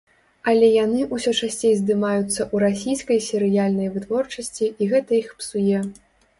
Але яны ўсё часцей здымаюцца ў расійскай серыяльнай вытворчасці, і гэта іх псуе.